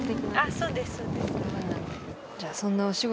そうです。